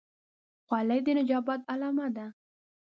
خولۍ د نجابت علامه ده.